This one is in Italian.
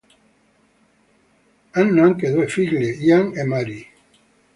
Hanno anche due figli, Ian e Marie.